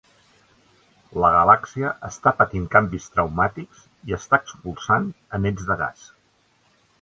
La galàxia està patint canvis traumàtics i està expulsant anells de gas.